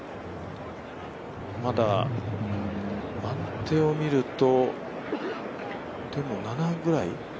まだ番手を見ると、でも７ぐらい？